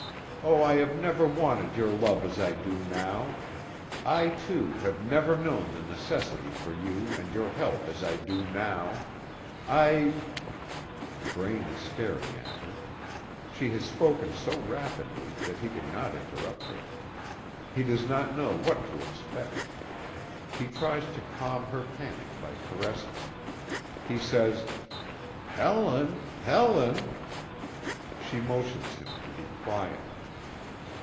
Oh, I have never wanted your love as I do now. I, too, have never known the necessity for you and your help as I do now. I " Braine is staring at her. She has spoken so rapidly that he could not interrupt her. He does not know what to expect. He tries to calm her panic by caresses. He says: "Helen! Helen!" She motions him to be quiet.